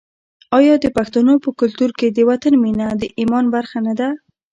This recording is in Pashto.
آیا د پښتنو په کلتور کې د وطن مینه د ایمان برخه نه ده؟